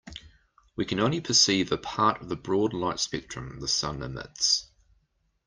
We can only perceive a part of the broad light spectrum the sun emits.